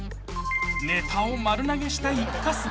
［ネタを丸投げしたい春日］